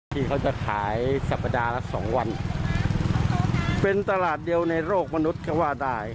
ที่เขาจะขายสัปดาห์ละสองวันเป็นตลาดเดียวในโลกมนุษย์ก็ว่าได้